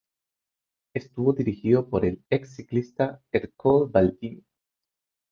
Estuvo dirigido por el ex-ciclista Ercole Baldini.